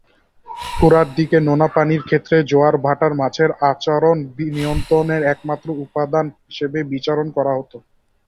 গোড়ার দিকে নোনা পানির ক্ষেত্রে জোয়ার-ভাটাকে মাছের আচরণ নিয়ন্ত্রণের একমাত্র উপাদান হিসেবে বিবেচনা করা হত।